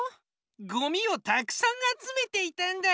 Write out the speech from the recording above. ゴミをたくさんあつめていたんだ。